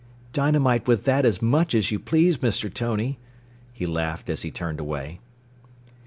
"Dynamite with that as much as you please, Mr. Tony," he laughed as he turned away.